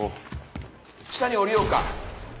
下に下りようか？